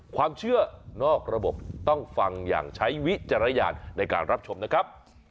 ความเชื่อนอกระบบต้องฟังอย่างใช้วิจารณญาณในการรับชมนะครับ